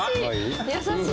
優しい！